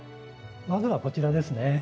まずはこちらですね。